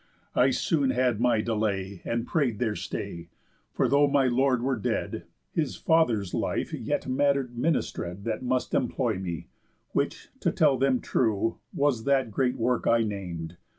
I soon had my delay, And pray'd their stay; for though my lord were dead, His father's life yet matter ministred That must employ me; which, to tell them true, Was that great work I nam'd.